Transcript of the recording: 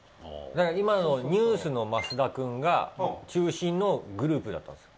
今のＮＥＷＳの増田君が中心のグループだったんですよ